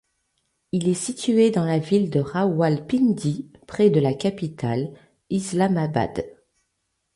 Il est situé dans la ville de Rawalpindi, près de la capitale Islamabad.